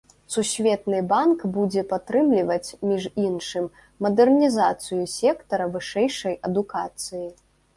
Сусветны банк будзе падтрымліваць, між іншым, мадэрнізацыю сектара вышэйшай адукацыі.